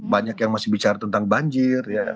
banyak yang masih bicara tentang banjir